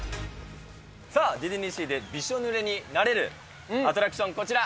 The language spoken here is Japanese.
さあ、ディズニーシーでびしょ濡れになれるアトラクション、こちら。